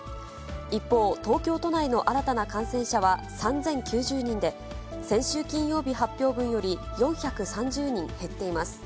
一方、東京都内の新たな感染者は３０９０人で、先週金曜日発表分より４３０人減っています。